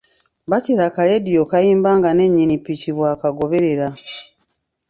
Bakira akaleediyo kayimba nga ne nnyini ppiki bw’akagoberera.